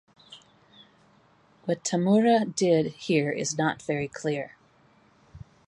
What Tamura did here is not very clear.